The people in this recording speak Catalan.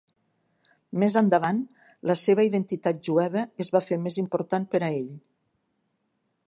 Més endavant, la seva identitat jueva es va fer més important per a ell.